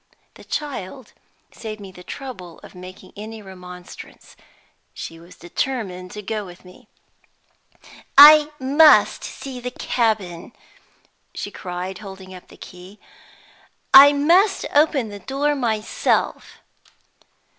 The child saved me the trouble of making any remonstrance. She was determined to go with me. "I must see the cabin," she cried, holding up the key. "I must open the door myself."